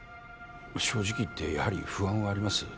正直言ってやはり不安はあります